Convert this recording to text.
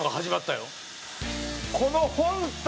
この本体。